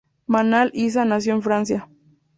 Manal Issa nació en Francia.